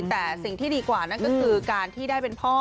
แต่สิ่งที่ดีกว่านั่นก็คือการที่ได้เป็นพ่อ